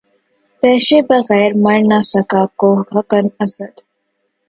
تیشے بغیر مر نہ سکا کوہکن، اسد